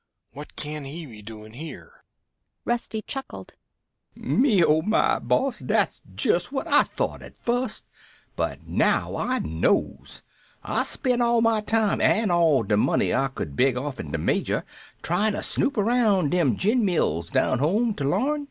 What can he be doing here?" Rusty chuckled. "Me oh my, boss, but dat's jest what I thought at fust. But now I knows. I spent all my time an' all de money I could beg offen de major tryin' to snoop aroun' dem gin mills down home to l'arn.